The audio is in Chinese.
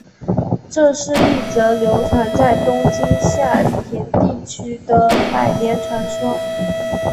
这是一则流传在东京下町地区的百年传说。